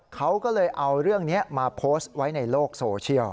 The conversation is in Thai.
เขาก็เลยเอาเรื่องนี้มาโพสต์ไว้ในโลกโซเชียล